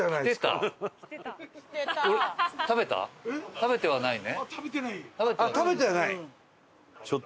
食べてはない？